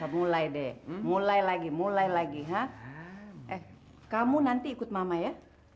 boleh deh mulai lagi mulai lagi ya eh kamu nanti ikut mama ya